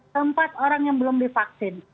tempat orang yang belum divaksin